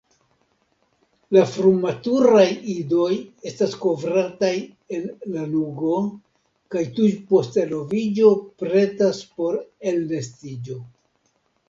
La frumaturaj idoj estas kovrataj el lanugo kaj tuj post eloviĝo pretas por elnestiĝo.